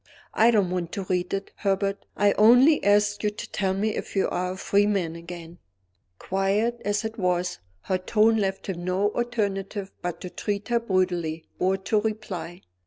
"I don't want to read it, Herbert. I only ask you to tell me if you are a free man again." Quiet as it was, her tone left him no alternative but to treat her brutally or to reply.